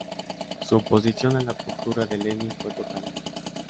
Su oposición a la postura de Lenin fue total.